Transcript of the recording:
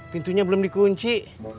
pintunya belum dikunci